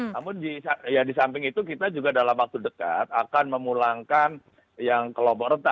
namun di samping itu kita juga dalam waktu dekat akan memulangkan yang kelompok rentan